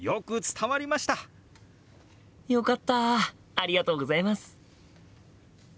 ありがとうございます！